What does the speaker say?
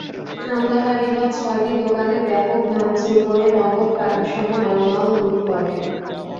হামলাকারীরা ছয়টি দোকানে ব্যাপক ভাঙচুর করে নগদ টাকাসহ মালামাল লুট করেন।